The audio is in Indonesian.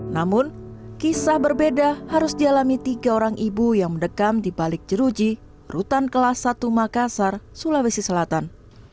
namun kisah berbeda harus dialami tiga orang ibu yang mendekam di balik jeruji rutan kelas satu makassar sulawesi selatan